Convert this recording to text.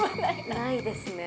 ないですね。